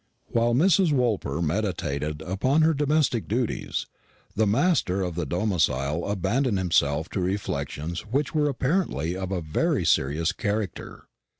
While Mrs. Woolper meditated upon her domestic duties, the master of the domicile abandoned himself to reflections which were apparently of a very serious character.